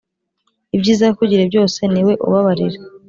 ibyiza yakugiriye byose niwe ubabarira